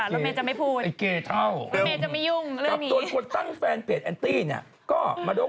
และต้องเปิดตั้งอย่าง